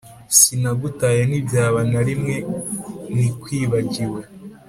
sinagutaye ntibyaba nta na rimwe nikwibagiwe